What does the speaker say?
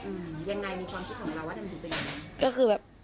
อืมยังไงมีความผิดของเวลาวะนั่นคือเป็นยังไง